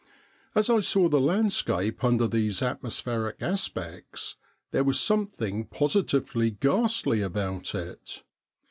As I saw the landscape under these atmospheric aspects, there was something positively ghastly about it.